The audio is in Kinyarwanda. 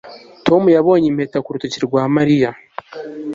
Tom yabonye impeta ku rutoki rwa Mariya